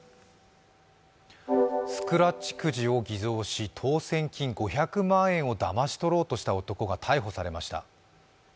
スクラッチくじを偽造し当選金５００万円をだまし取ろうとした男性が逮捕されました。